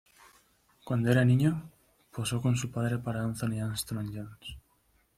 Cuando era niño, posó con su padre para Antony Armstrong-Jones.